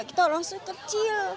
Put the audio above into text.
kita orang sudah kecil